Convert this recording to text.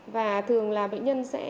và thường là bệnh nhân sẽ